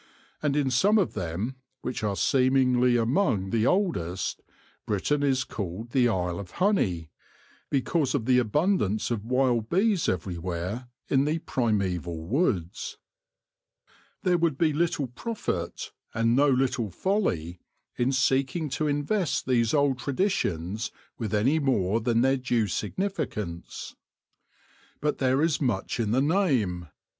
And in some of them, which are seemingly among the oldest, Britain is called the Isle of Honey, because of the abundance of wild bees everywhere in the primaeval woods. There would be little profit, and no little folly, in seeking to invest these old traditions with any more than their due significance. But there is much in the name.